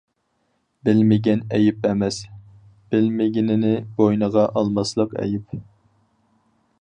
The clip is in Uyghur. بىلمىگەن ئەيىب ئەمەس، بىلمىگىنىنى بوينىغا ئالماسلىق ئەيىب.